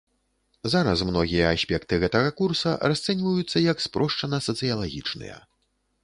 Зараз многія аспекты гэтага курса расцэньваюцца як спрошчана-сацыялагічныя.